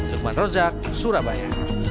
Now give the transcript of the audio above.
lukman rozak surabaya